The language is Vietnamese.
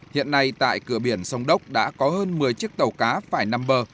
hiện nay tại cửa biển sông đốc đã có hơn một mươi chiếc tàu cá phải nằm bờ